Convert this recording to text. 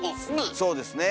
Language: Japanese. そうですね。